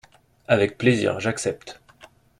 avec plaisir ! j’accepte !